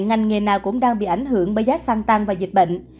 ngành nghề nào cũng đang bị ảnh hưởng bởi giá xăng tăng và dịch bệnh